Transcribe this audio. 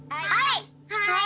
はい！